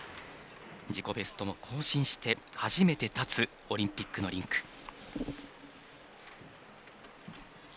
自己ベストを更新して初めて立つオリンピックのリンク。